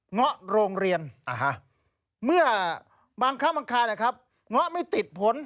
งะโรงเรียนเมื่อบางข้ามังคานะครับงะไม่ติดผล